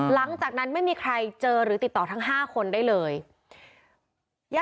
หลังจากนั้นไม่มีใครเจอหรือติดต่อทั้ง๕คนได้เลย